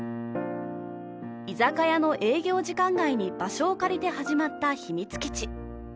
居酒屋の営業時間外に場所を借りて始まったひみつ基地。